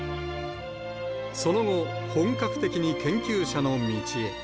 その後、本格的に研究者の道へ。